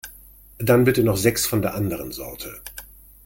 Dann bitte noch sechs von der anderen Sorte.